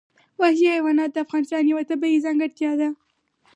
وحشي حیوانات د افغانستان یوه طبیعي ځانګړتیا ده.